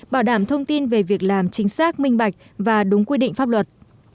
bảo đảm thông tin về việc làm chính xác minh bạch và đúng quy định pháp luật